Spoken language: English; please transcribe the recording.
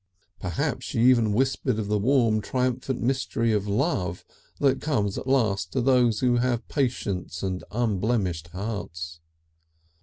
Perhaps even she whispered of the warm triumphant mystery of love that comes at last to those who have patience and unblemished hearts....